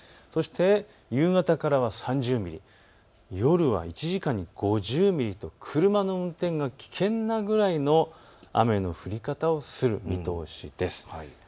そして夕方からは３０ミリ、夜は１時間に５０ミリと車の運転が危険なぐらいの雨の降り方をする見通しです。